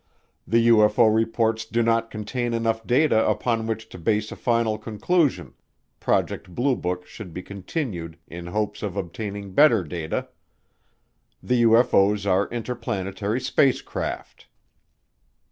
The UFO reports do not contain enough data upon which to base a final conclusion. Project Blue Book should be continued in hopes of obtaining better data. The UFO's are interplanetary spacecraft.